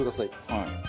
はい。